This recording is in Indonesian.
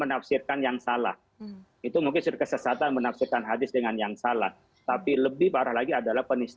apa yang masuk dalam hal ini